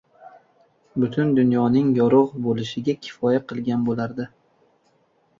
butun dunyoning yorug‘ bo‘lishiga kifoya qilgan bo‘lardi.